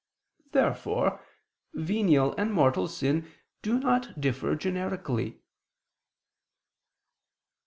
Therefore venial and mortal sin do not differ generically.